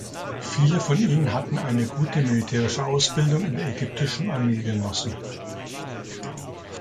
Viele von ihnen hatten eine gute militärische Ausbildung in der ägyptischen Armee genossen.